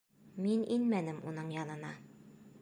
Мин инмәнем уның янына.